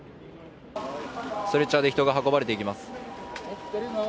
ストレッチャーで人が運ばれていきます。